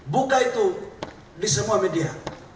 buka itu di semua media